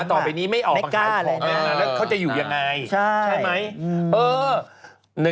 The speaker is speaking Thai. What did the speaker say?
ต้องกลงแหละไม่กล้าอะไรนะแล้วเขาจะอยู่ยังไงใช่ไหม